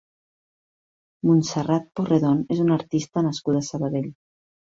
Montserrat Porredón és una artista nascuda a Sabadell.